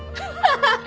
ハハハ！